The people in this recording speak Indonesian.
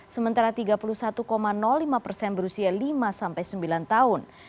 sementara tiga puluh satu lima persen berusia lima sampai sembilan tahun